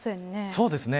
そうですね。